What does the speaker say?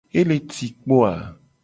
Ele ci kpo a?